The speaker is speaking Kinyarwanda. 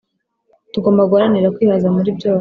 tugomba guharanira kwihaza muri byose